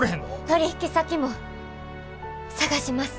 取引先も探します！